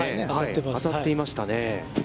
当たっていましたね。